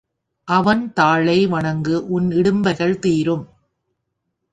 அவன் தாளை வணங்கு உன் இடும்பைகள் தீரும்.